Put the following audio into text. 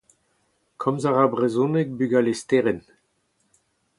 Komz a ra brezhoneg bugale Sterenn.